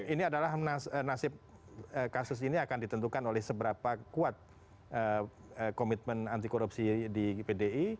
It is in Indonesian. ini adalah nasib kasus ini akan ditentukan oleh seberapa kuat komitmen anti korupsi di pdi